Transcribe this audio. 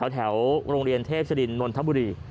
แถวโรงเรียนเทพศรินนทบุรี